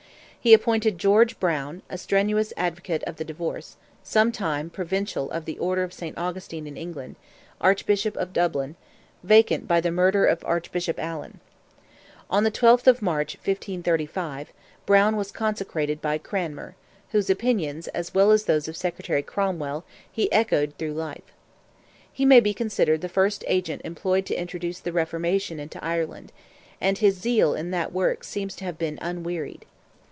He appointed George Browne, a strenuous advocate of the divorce, some time Provincial of the order of St. Augustine in England, Archbishop of Dublin, vacant by the murder of Archbishop Allan. On the 12th of March, 1535, Browne was consecrated by Cranmer, whose opinions, as well as those of Secretary Cromwell, he echoed through life. He may be considered the first agent employed to introduce the Reformation into Ireland, and his zeal in that work seems to have been unwearied.